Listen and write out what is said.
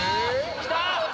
きた！